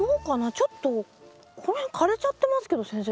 ちょっとこの辺枯れちゃってますけど先生